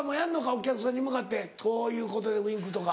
お客さんに向かってこういうことでウインクとか。